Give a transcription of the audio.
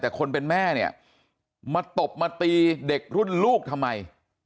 แต่คนเป็นแม่เนี่ยมาตบมาตีเด็กรุ่นลูกทำไม